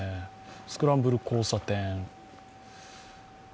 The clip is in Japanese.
スクランブル交差点。